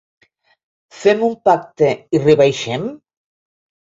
Fem un pacte i rebaixem?